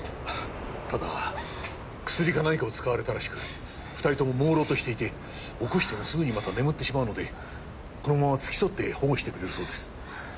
ただ薬か何かを使われたらしく２人共朦朧としていて起こしてもすぐにまた眠ってしまうのでこのまま付き添って保護してくれるそうです。